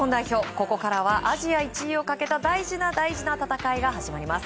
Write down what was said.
ここからはアジア１位をかけた大事な大事な戦いが始まります。